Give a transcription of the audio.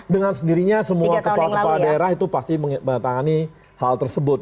dengan sendirinya semua kepala kepala daerah itu pasti menetangani hal tersebut